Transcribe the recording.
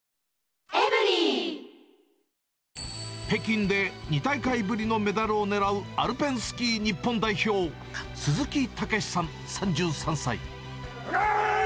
北京で２大会ぶりのメダルを狙う、アルペンスキー日本代表、鈴木猛史さん３３歳。